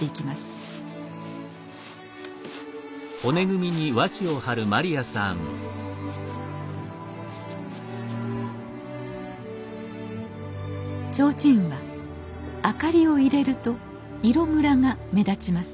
提灯は明かりを入れると色むらが目立ちます